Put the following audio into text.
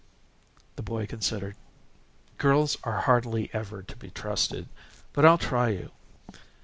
The boy considered. "Girls are hardly ever to be trusted, but I'll try you.